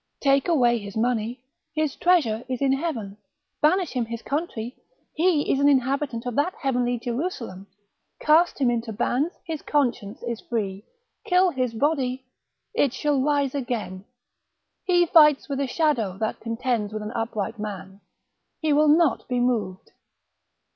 Take away his money, his treasure is in heaven: banish him his country, he is an inhabitant of that heavenly Jerusalem: cast him into bands, his conscience is free; kill his body, it shall rise again; he fights with a shadow that contends with an upright man: he will not be moved.